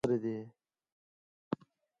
نه دا نده دا له ما سره دی